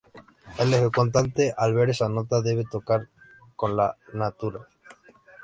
El ejecutante al ver esa nota debe tocar un "la" natural.